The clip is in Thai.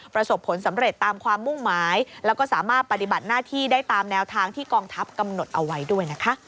ประสบผลสำเร็จตามความมุ่งหมายแล้วก็สามารถปฏิบัติหน้าที่ได้ตามแนวทางที่กองทัพกำหนดเอาไว้ด้วยนะคะ